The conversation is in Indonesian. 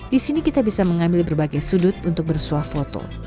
di sini kita bisa mengambil berbagai sudut untuk bersuah foto